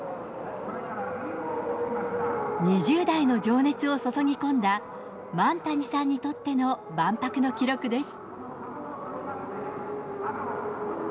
２０代の情熱を注ぎ込んだ、萬谷さんにとっての万博の記録です。